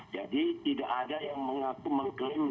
jadi tidak ada yang mengaku mengklaim